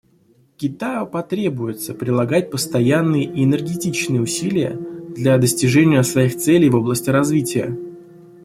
Китаю потребуется прилагать постоянные и энергичные усилия для достижения своих целей в области развития.